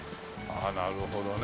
ああなるほどね。